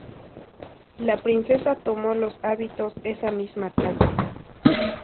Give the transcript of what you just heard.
La princesa tomó los hábitos esa misma tarde.